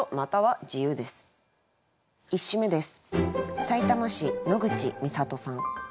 １首目です。